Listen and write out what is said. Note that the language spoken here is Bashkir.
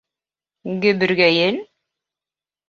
— Гөбөргәйел?!